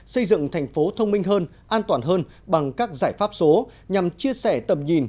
xây dựng thành phố thông minh hơn an toàn hơn bằng các giải pháp số nhằm chia sẻ tầm nhìn